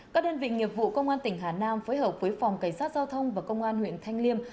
các đơn vị nghiệp vụ công an tỉnh hà nam phối hợp với phòng cảnh sát giao thông và công an huyện thanh liêm